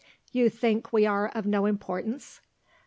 "You think we are of no importance?"